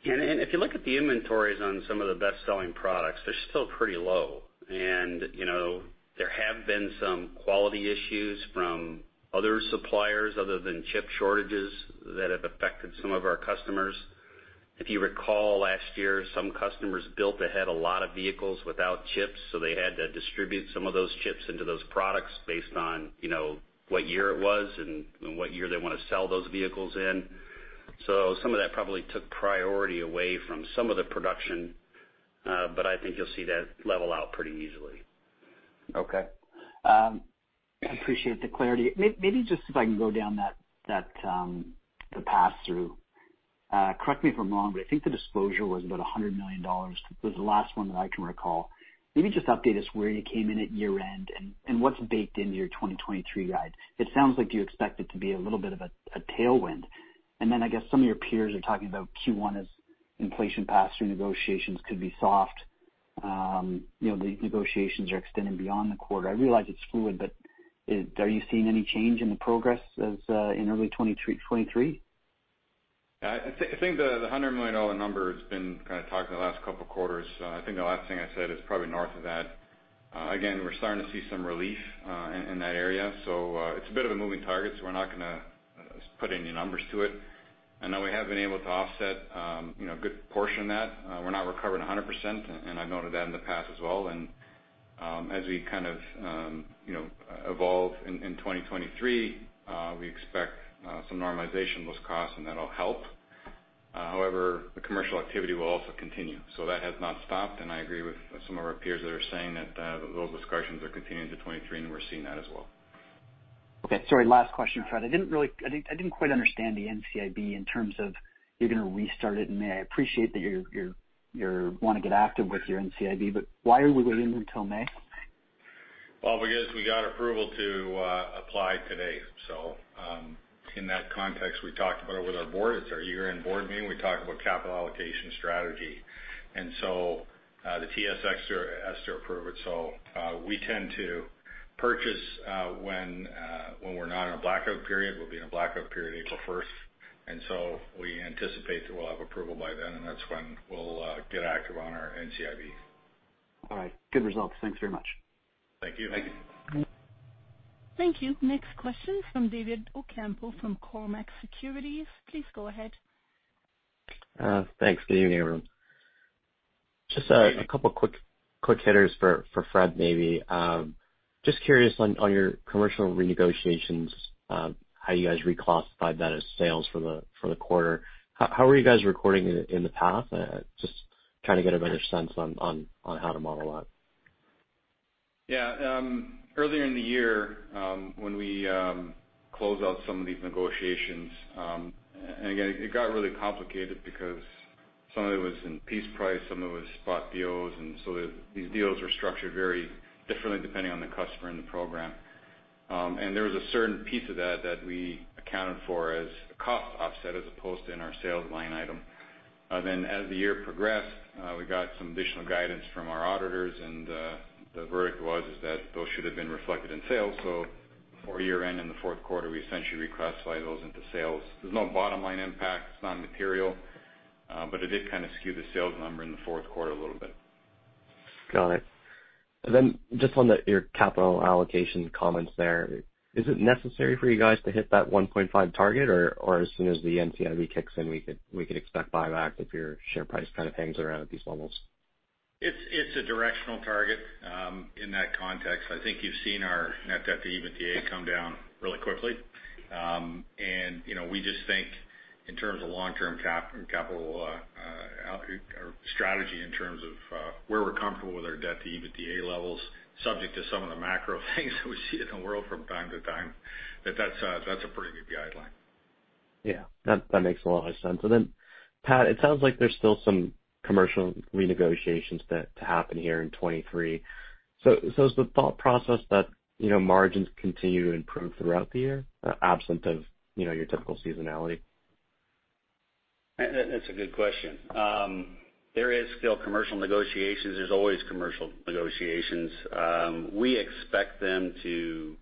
Yeah. If you look at the inventories on some of the best-selling products, they're still pretty low. You know, there have been some quality issues from other suppliers other than chip shortages that have affected some of our customers. If you recall, last year, some customers built ahead a lot of vehicles without chips, so they had to distribute some of those chips into those products based on, you know, what year it was and what year they wanna sell those vehicles in. Some of that probably took priority away from some of the production, but I think you'll see that level out pretty easily. Okay. I appreciate the clarity. Maybe just if I can go down that, the passthrough. Correct me if I'm wrong, but I think the disclosure was about $100 million. It was the last one that I can recall. Maybe just update us where you came in at year-end and what's baked into your 2023 guide. It sounds like you expect it to be a little bit of a tailwind. I guess some of your peers are talking about Q1 as inflation passthrough negotiations could be soft. You know, the negotiations are extending beyond the quarter. I realize it's fluid, but are you seeing any change in the progress as in early 2023? I think the $100 million number has been kind of talked in the last couple of quarters. I think the last thing I said is probably north of that. Again, we're starting to see some relief in that area. It's a bit of a moving target, so we're not gonna put any numbers to it. I know we have been able to offset, you know, a good portion of that. We're not recovering 100%, and I noted that in the past as well. As we kind of, you know, evolve in 2023, we expect some normalization of those costs, and that'll help. However, the commercial activity will also continue. That has not stopped, and I agree with some of our peers that are saying that, those discussions are continuing to 2023, and we're seeing that as well. Okay, sorry. Last question, Fred. I didn't really I didn't quite understand the NCIB in terms of you're gonna restart it in May. I appreciate that you're wanna get active with your NCIB, why are we waiting until May? Because we got approval to apply today. In that context, we talked about it with our board. It's our year-end board meeting. We talk about capital allocation strategy. The TSX has to approve it. We tend to purchase when we're not in a blackout period. We'll be in a blackout period April first. We anticipate that we'll have approval by then, and that's when we'll get active on our NCIB. All right. Good results. Thanks very much. Thank you. Thank you. Thank you. Next question from David Ocampo from Cormark Securities. Please go ahead. Thanks. Good evening, everyone. Just a couple quick hitters for Fred maybe. Just curious on your commercial renegotiations, how you guys reclassified that as sales for the quarter. How were you guys recording it in the past? Just trying to get a better sense on how to model that. Yeah. Earlier in the year, when we closed out some of these negotiations, again, it got really complicated because some of it was in piece price, some of it was spot deals. These deals were structured very differently depending on the customer and the program. And there was a certain piece of that we accounted for as a cost offset as opposed to in our sales line item. As the year progressed, we got some additional guidance from our auditors, the verdict was is that those should have been reflected in sales. Before year-end in the fourth quarter, we essentially reclassified those into sales. There's no bottom line impact. It's not material, but it did kind of skew the sales number in the Q4 a little bit. Got it. Just on your capital allocation comments there, is it necessary for you guys to hit that 1.5 target? Or as soon as the NCIB kicks in, we could expect buyback if your share price kind of hangs around at these levels? It's a directional target in that context. I think you've seen our net debt to EBITDA come down really quickly. You know, we just think in terms of long-term capital or strategy in terms of where we're comfortable with our debt-to-EBITDA levels, subject to some of the macro things that we see in the world from time to time, that's a pretty good guideline. Yeah. That makes a lot of sense. Pat, it sounds like there's still some commercial renegotiations that to happen here in 2023. Is the thought process that, you know, margins continue to improve throughout the year, absent of, you know, your typical seasonality? That's a good question. There is still commercial negotiations. There's always commercial negotiations. We expect them to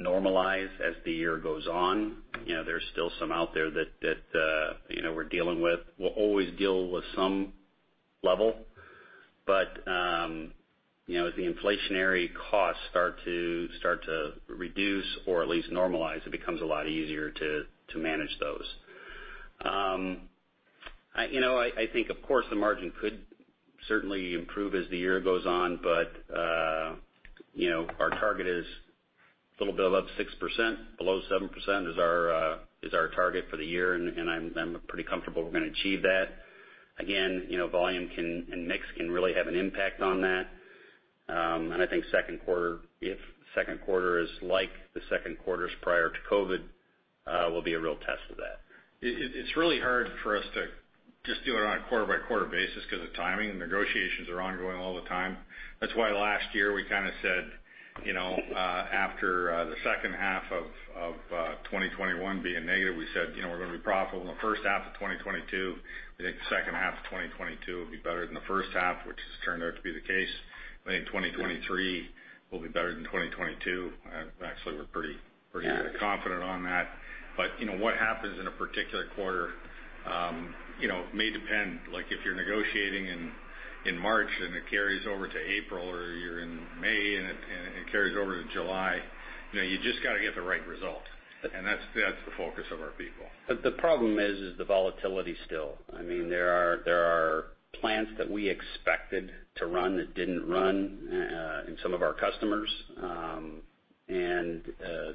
normalize as the year goes on. You know, there's still some out there that, you know, we're dealing with. We'll always deal with some level. You know, as the inflationary costs start to reduce or at least normalize, it becomes a lot easier to manage those. I, you know, I think, of course, the margin could certainly improve as the year goes on, but, you know, our target is a little bit above 6%. Below 7% is our target for the year, and I'm pretty comfortable we're gonna achieve that. Again, you know, volume can, and mix can really have an impact on that. I think second quarter, if second quarter is like the second quarters prior to COVID, will be a real test of that. It's really hard for us to just do it on a quarter-by-quarter basis because the timing and negotiations are ongoing all the time. That's why last year we kind of said, you know, after the second half of 2021 being negative, we said, you know, we're going to be profitable in the first half of 2022. We think the second half of 2022 will be better than the first half, which has turned out to be the case. I think 2023 will be better than 2022. Actually, we're pretty confident on that. You know, what happens in a particular quarter, you know, may depend, like, if you're negotiating in March and it carries over to April, or you're in May and it carries over to July. You know, you just gotta get the right result, and that's the focus of our people. The problem is the volatility still. I mean, there are plants that we expected to run that didn't run, in some of our customers, and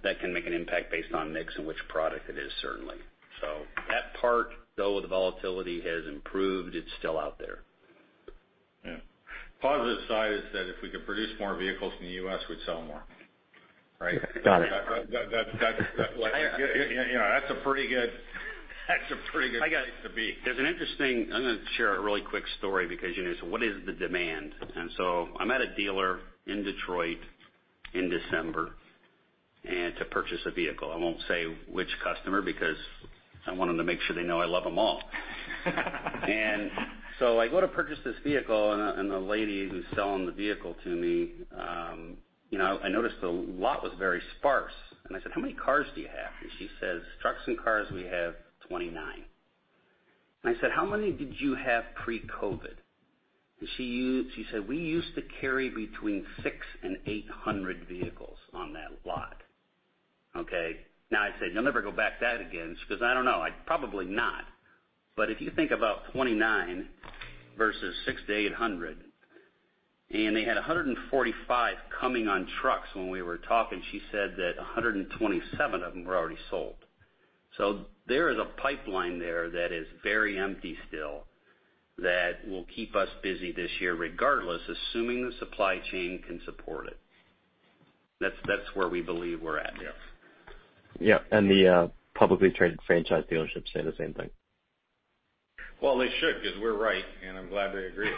that can make an impact based on mix and which product it is, certainly. That part, though the volatility has improved, it's still out there. Yeah. Positive side is that if we could produce more vehicles in the U.S., we'd sell more, right? Got it. That's, you know, that's a pretty good place to be. There's an interesting. I'm gonna share a really quick story because, you know, so what is the demand? I'm at a dealer in Detroit in December and to purchase a vehicle. I won't say which customer because I want them to make sure they know I love them all. I go to purchase this vehicle and the lady who's selling the vehicle to me, you know, I noticed the lot was very sparse. I said, "How many cars do you have?" She says, "Trucks and cars, we have 29." I said, "How many did you have pre-COVID?" She said, "We used to carry between 600 to 800 vehicles on that lot." Okay? I said, "You'll never go back that again." She goes, "I don't know, probably not." If you think about 29 versus 600-800, and they had 145 coming on trucks when we were talking, she said that 127 of them were already sold. There is a pipeline there that is very empty still that will keep us busy this year regardless, assuming the supply chain can support it. That's where we believe we're at. Yes. Yeah. The publicly traded franchise dealerships say the same thing. Well, they should, 'cause we're right, and I'm glad they agree.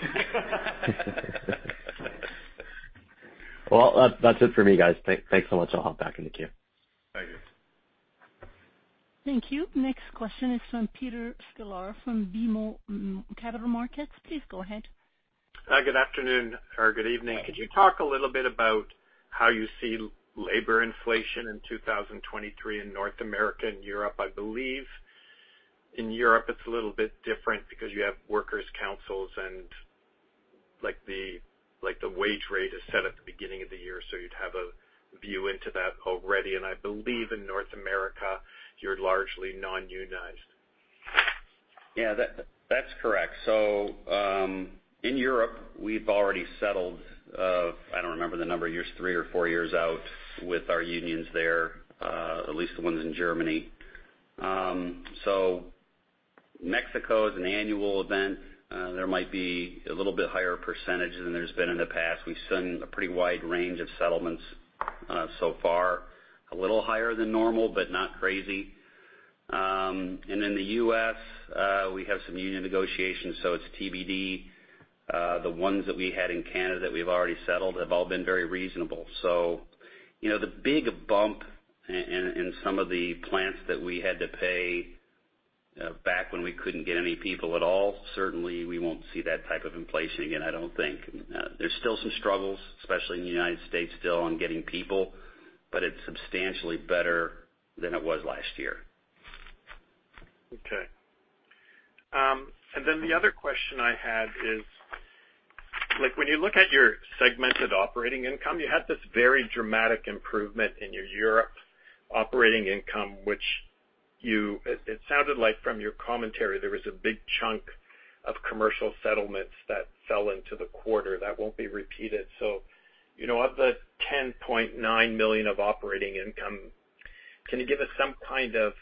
Well, that's it for me, guys. Thanks so much. I'll hop back in the queue. Thank you. Thank you. Next question is from Peter Sklar from BMO Capital Markets. Please go ahead. Good afternoon or good evening. Could you talk a little bit about how you see labor inflation in 2023 in North America and Europe? I believe in Europe it's a little bit different because you have workers' councils and, like the wage rate is set at the beginning of the year, so you'd have a view into that already. I believe in North America, you're largely non-unionized. Yeah, that's correct. In Europe, we've already settled, I don't remember the number of years, three or four years out with our unions there, at least the ones in Germany. Mexico is an annual event. There might be a little bit higher percentage than there's been in the past. We've seen a pretty wide range of settlements, so far, a little higher than normal, but not crazy. In the U.S., we have some union negotiations, so it's TBD. The ones that we had in Canada that we've already settled have all been very reasonable. You know, the big bump in some of the plants that we had to pay, back when we couldn't get any people at all, certainly we won't see that type of inflation again, I don't think. There's still some struggles, especially in the United States still on getting people, but it's substantially better than it was last year. Okay. The other question I had is, like when you look at your segmented operating income, you had this very dramatic improvement in your Europe operating income, which it sounded like from your commentary there was a big chunk of commercial settlements that fell into the quarter that won't be repeated. You know, of the $10.9 million of operating income, can you give us some kind of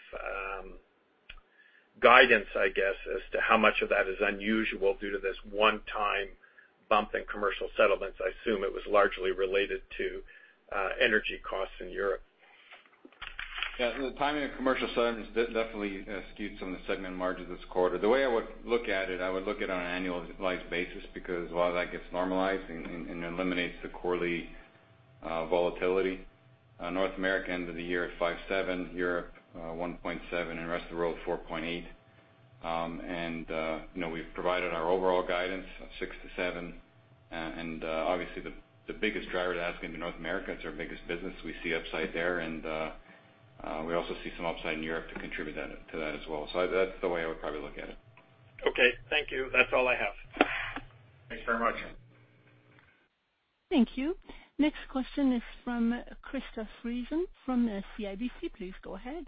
guidance, I guess, as to how much of that is unusual due to this one-time bump in commercial settlements? I assume it was largely related to energy costs in Europe. Yeah. The timing of commercial settlements definitely skews some of the segment margins this quarter. The way I would look at it, I would look at it on an annualized basis because a lot of that gets normalized and eliminates the quarterly volatility. North America, end of the year at 5.7%, Europe, 1.7%, and rest of the world, 4.8%. You know, we've provided our overall guidance of 6%-7%. Obviously, the biggest driver to that's going to be North America. It's our biggest business. We see upside there and we also see some upside in Europe to contribute to that as well. That's the way I would probably look at it. Okay, thank you. That's all I have. Thanks very much. Thank you. Next question is from Krista Friesen from CIBC. Please go ahead.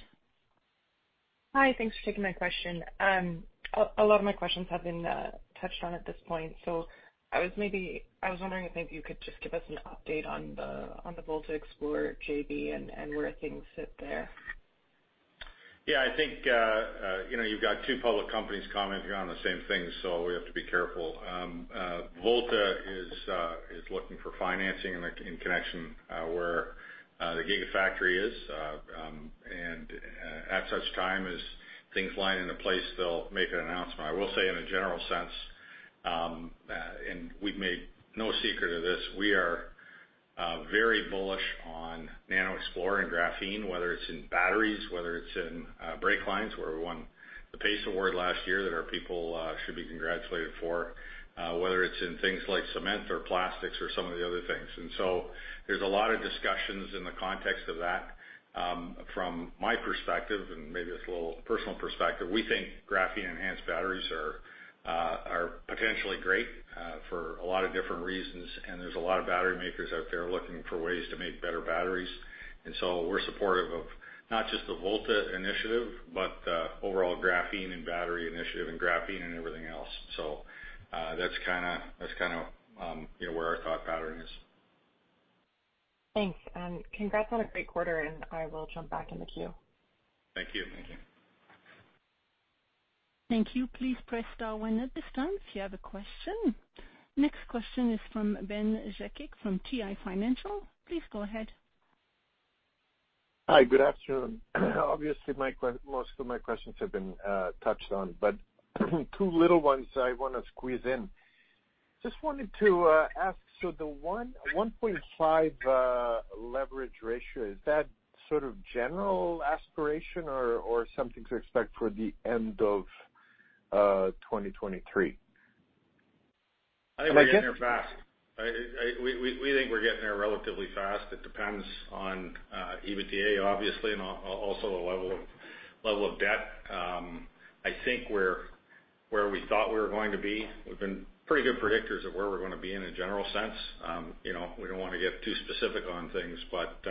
Hi. Thanks for taking my question. A lot of my questions have been touched on at this point, so I was wondering if maybe you could just give us an update on the VoltaXplore JV and where things sit there. Yeah. I think, you know, you've got two public companies commenting on the same thing, so we have to be careful. Volta is looking for financing in connection where the Gigafactory is. At such time as things line into place, they'll make an announcement. I will say in a general sense, and we've made no secret of this, we are very bullish on NanoXplore and graphene, whether it's in batteries, whether it's in brake lines, where we won the PACE Award last year that our people should be congratulated for, whether it's in things like cement or plastics or some of the other things. There's a lot of discussions in the context of that. From my perspective, and maybe it's a little personal perspective, we think graphene-enhanced batteries are potentially great for a lot of different reasons, and there's a lot of battery makers out there looking for ways to make better batteries. We're supportive of not just the Volta initiative, but overall graphene and battery initiative and graphene and everything else. That's kinda that's kinda you know, where our thought pattern is. Thanks. Congrats on a great quarter, and I will jump back in the queue. Thank you. Thank you. Please press star one at this time if you have a question. Next question is from Ben Jakic from Pi Financial. Please go ahead. Hi, good afternoon. Obviously, most of my questions have been touched on, two little ones I wanna squeeze in. Just wanted to ask, the 1.5 leverage ratio, is that sort of general aspiration or something to expect for the end of 2023? I think we're getting there fast. We think we're getting there relatively fast. It depends on EBITDA, obviously, and also the level of debt. I think we're where we thought we were going to be. We've been pretty good predictors of where we're gonna be in a general sense. You know, we don't wanna get too specific on things, but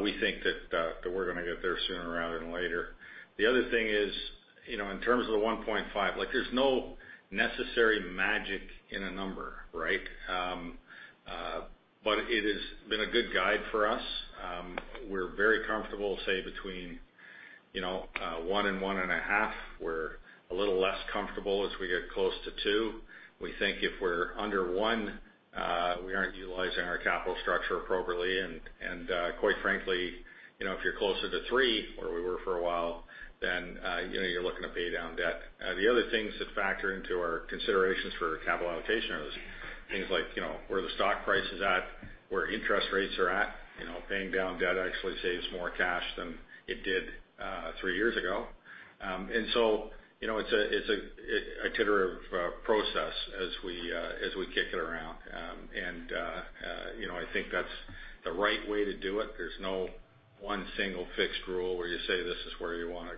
we think that we're gonna get there sooner rather than later. The other thing is, you know, in terms of the 1.5, like there's no necessary magic in a number, right? It has been a good guide for us. We're very comfortable say between you know one and one and half. We're a little less comfortable as we get close to two. We think if we're under one, we aren't utilizing our capital structure appropriately, and, quite frankly, you know, if you're closer to three where we were for a while, then, you know, you're looking to pay down debt. The other things that factor into our considerations for capital allocation are those things like, you know, where the stock price is at, where interest rates are at. You know, paying down debt actually saves more cash than it did three years ago. You know, it's a iterative process as we kick it around. You know, I think that's the right way to do it. There's no one single fixed rule where you say, "This is where you wanna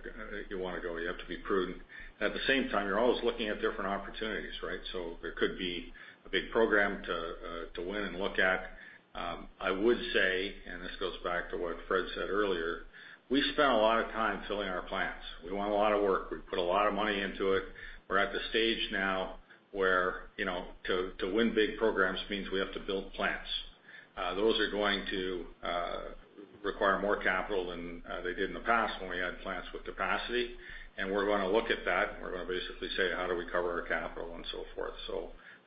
go." You have to be prudent. At the same time, you're always looking at different opportunities, right? There could be a big program to win and look at. I would say, and this goes back to what Fred said earlier, we spent a lot of time filling our plants. We want a lot of work. We put a lot of money into it. We're at the stage now where, you know, to win big programs means we have to build plants. Those are going to require more capital than they did in the past when we had plants with capacity. We're gonna look at that, and we're gonna basically say, "How do we cover our capital?" and so forth.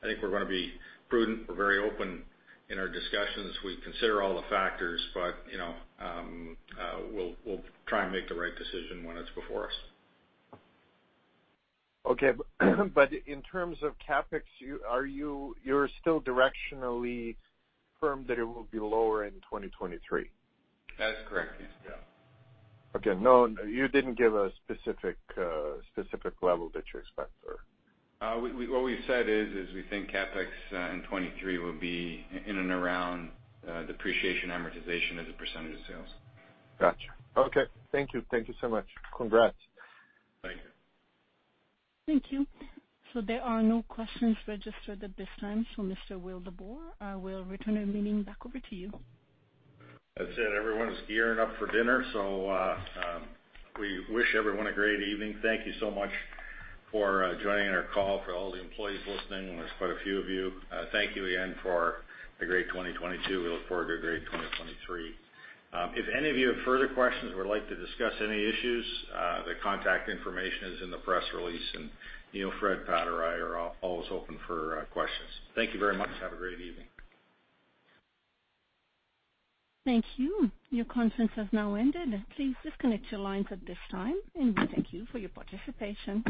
I think we're gonna be prudent. We're very open in our discussions. We consider all the factors, you know, we'll try and make the right decision when it's before us. Okay. In terms of CapEx, you're still directionally firm that it will be lower in 2023? That is correct, yes. Okay. No, you didn't give a specific level that you expect. What we've said is we think CapEx in 23 will be in and around depreciation amortization as a percentage of sales. Gotcha. Okay. Thank you. Thank you so much. Congrats. Thank you. Thank you. There are no questions registered at this time. Mr. Will DeBoer, I will return the meeting back over to you. That's it. Everyone's gearing up for dinner, we wish everyone a great evening. Thank you so much for joining in our call. For all the employees listening, there's quite a few of you, thank you again for a great 2022. We look forward to a great 2023. If any of you have further questions or would like to discuss any issues, the contact information is in the press release, and, you know, Fred, Pat, or I are all always open for questions. Thank you very much. Have a great evening. Thank you. Your conference has now ended. Please disconnect your lines at this time, and we thank you for your participation.